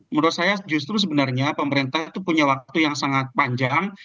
menurut saya justru sebenarnya pemerintah itu punya waktu yang sangat panjang